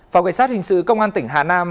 phòng cảnh sát hình sự công an tỉnh hà nam